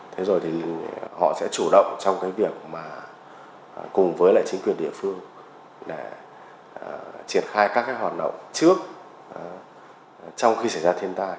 thế rồi thì họ sẽ chủ động trong cái việc mà cùng với lại chính quyền địa phương để triển khai các cái hoạt động trước trong khi xảy ra thiên tai